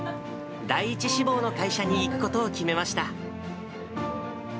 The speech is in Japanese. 第１志望の会社に行くことを決めました。